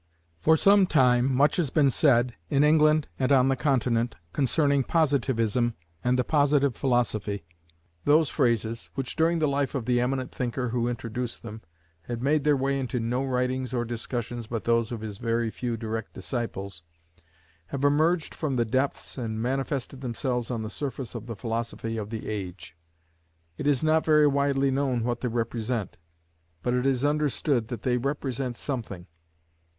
For some time much has been said, in England and on the Continent, concerning "Positivism" and "the Positive Philosophy." Those phrases, which during the life of the eminent thinker who introduced them had made their way into no writings or discussions but those of his very few direct disciples, have emerged from the depths and manifested themselves on the surface of the philosophy of the age. It is not very widely known what they represent, but it is understood that they represent something.